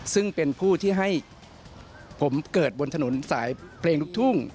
ซึ่งเป็นผู้ที่ให้ผมเกิดบนถนนสายเพลงลูกทุ่ง